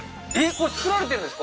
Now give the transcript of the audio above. これ作られてるんですか？